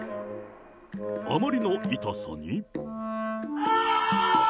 あまりの痛さに。